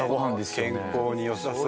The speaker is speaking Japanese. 健康に良さそう。